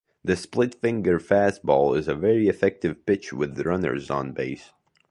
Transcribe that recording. The split-finger fastball is a very effective pitch with runners on base.